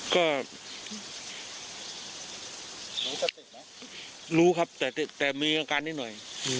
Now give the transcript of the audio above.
ก็รู้ครับแต่มีอาการนิดหน่อย